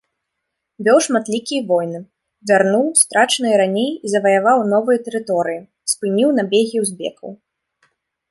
Вёў шматлікія войны, вярнуў страчаныя раней і заваяваў новыя тэрыторыі, спыніў набегі узбекаў.